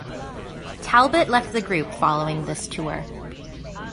Talbot left the group following this tour.